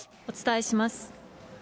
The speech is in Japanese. お伝えします。